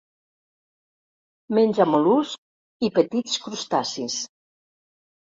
Menja mol·luscs i petits crustacis.